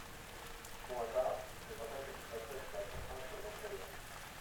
Pour ma part, je ne vois pas quelle pourrait être la contrainte pour les employeurs.